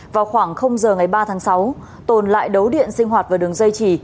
vào khoảng giờ ngày ba tháng sáu tồn lại đấu điện sinh hoạt vào đường dây chỉ